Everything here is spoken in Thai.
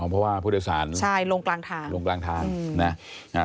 เพราะว่าผู้โดยสารใช่ลงกลางทางลงกลางทางนะอ่า